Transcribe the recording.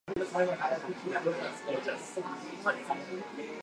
Mat will get no harm from me.